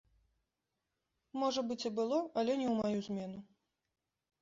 Можа быць, і было, але не ў маю змену.